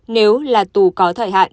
nếu là tù có thời hạn